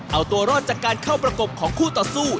เอาตัวรอดจากการเข้าประกบของคู่ต่อสู้